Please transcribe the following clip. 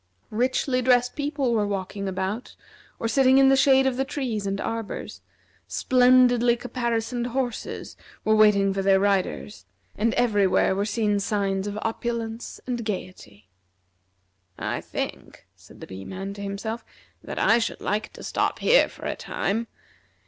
Richly dressed people were walking about or sitting in the shade of the trees and arbors; splendidly caparisoned horses were waiting for their riders; and everywhere were seen signs of opulence and gayety. "I think," said the Bee man to himself, "that I should like to stop here for a time.